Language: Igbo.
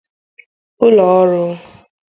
ụlọọrụ